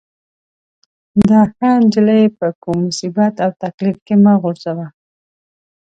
دا ښه نجلۍ په کوم مصیبت او تکلیف کې مه غورځوه.